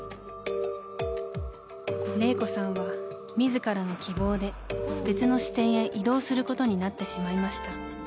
［麗子さんは自らの希望で別の支店へ異動することになってしまいました］